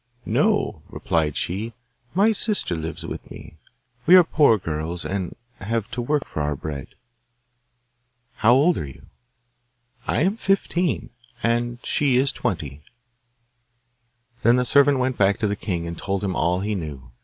'No,' replied she, 'my sister lives with me. We are poor girls, and have to work for our bread.' 'How old are you?' 'I am fifteen, and she is twenty.' Then the servant went back to the king, and told him all he knew.